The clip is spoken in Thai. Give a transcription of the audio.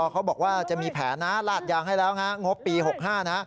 เขาบอกว่าจะมีแผนนะลาดยางให้แล้วฮะงบปี๖๕นะ